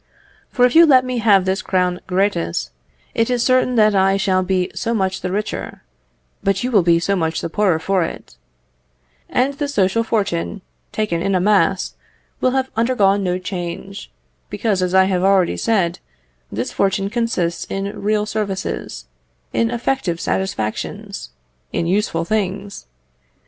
For if you let me have this crown gratis, it is certain that I shall be so much the richer, but you will be so much the poorer for it; and the social fortune, taken in a mass, will have undergone no change, because as I have already said, this fortune consists in real services, in effective satisfactions, in useful things.